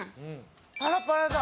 パラパラだ。